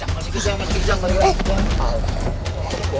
masuk masuk masuk